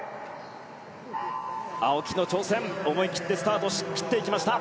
青木の挑戦、思い切ってスタートを切っていきました。